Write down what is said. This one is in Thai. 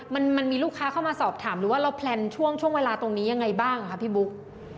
มันมีลูกค้าเข้ามาสอบถามหรือว่าเราแพลนช่วงช่วงเวลาตรงนี้ยังไงบ้างคะพี่บุ๊ก